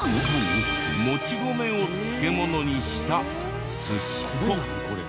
もち米を漬物にしたすしこ。